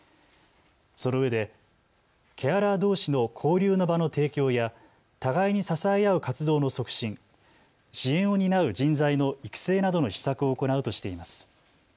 そのうえでケアラーどうしの交流の場の提供や互いに支え合う活動の促進、支援を担う人材の育成などの施策を行うとしています。